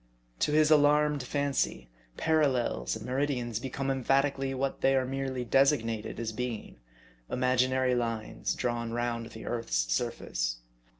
To his alarmed fancy, parallels and meridians become emphatically what they are merely designated as being : im aginary lines drawn round the earth's surface.